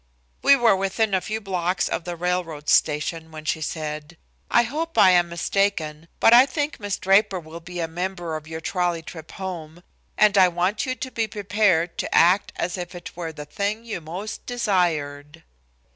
We were within a few blocks of the railroad station when she said: "I hope I am mistaken, but I think Miss Draper will be a member of your trolley trip home, and I want you to be prepared to act as if it were the thing you most desired."